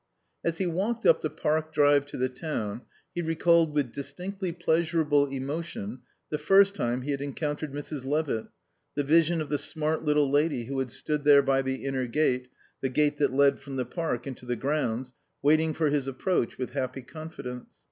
As he walked up the park drive to the town he recalled with distinctly pleasurable emotion the first time he had encountered Mrs. Levitt, the vision of the smart little lady who had stood there by the inner gate, the gate that led from the park into the grounds, waiting for his approach with happy confidence.